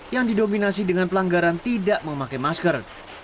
yang didominasi dengan pelanggaran tidak memakai masker